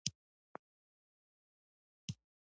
چې ډېرخلک پې راټول وو.